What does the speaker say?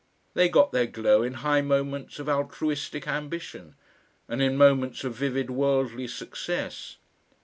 They got their glow in high moments of altruistic ambition and in moments of vivid worldly success.